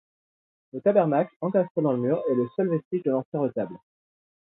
Le tabernacle, encastré dans le mur, est le seul vestige de l'ancien retable.